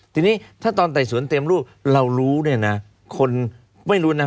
ทีนี้ถ้าตอนไต่สวนเต็มรูปเรารู้เนี่ยนะคนไม่รู้นะ